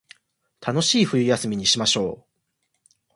楽しい冬休みにしましょう